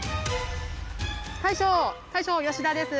大将吉田です。